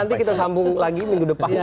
nanti kita sambung lagi minggu depan